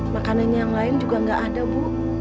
makanan yang lain juga nggak ada bu